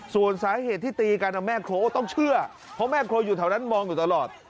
ส่วนสาเหตุที่ตีกันแม่ครัวต้องเชื่อเพราะแม่ครัวอยู่แถวนั้นมองอยู่ตลอด